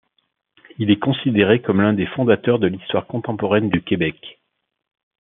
Il est considéré comme l'un des fondateurs de l'histoire contemporaine du Québec.